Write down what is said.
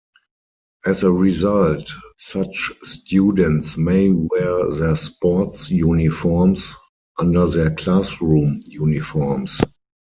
As a result, such students may wear their sports uniforms under their classroom uniforms.